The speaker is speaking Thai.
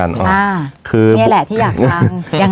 นี่แหละที่อยากฟัง